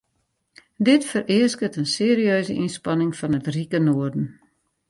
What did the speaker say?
Dit fereasket in serieuze ynspanning fan it rike noarden.